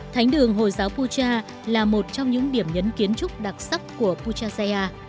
thánh đường hồi giáo pucha là một trong những điểm nhấn kiến trúc đặc sắc của puchaya